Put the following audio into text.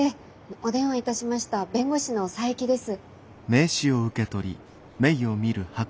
お電話いたしました弁護士の佐伯です。